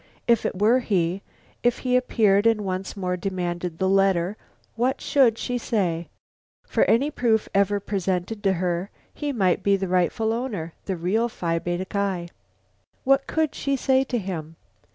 If it were he; if he appeared and once more demanded the letter, what should she say? For any proof ever presented to her, he might be the rightful owner, the real Phi Beta Ki. What could she say to him?